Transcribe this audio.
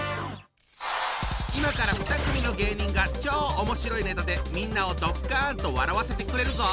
今から２組の芸人が超おもしろいネタでみんなをドッカンと笑わせてくれるぞ！